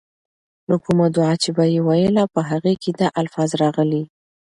نو کومه دعاء چې به ئي ويله، په هغې کي دا الفاظ راغلي: